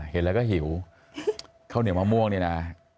เห็นแล้วก็หิวข้าวเหนียวมะม่วงเนี่ยนะ